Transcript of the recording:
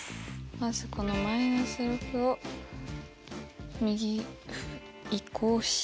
まずこの−６を右移項して。